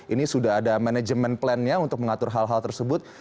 ini sudah ada manajemen plannya untuk mengatur hal hal tersebut